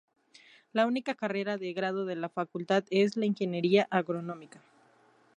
La única carrera de grado de la facultad es la Ingeniería Agronómica.